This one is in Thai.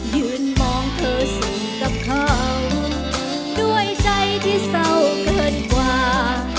ยืนมองเธอสุขกับเขาด้วยใจที่เศร้าเกินกว่า